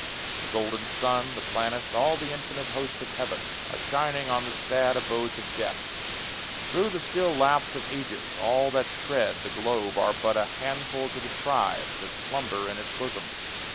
The golden sun, The planets, all the infinite host of heaven, Are shining on the sad abodes of death, Through the still lapse of ages. All that tread The globe are but a handful to the tribes That slumber in its bosom.